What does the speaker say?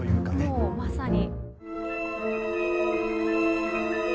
もうまさに。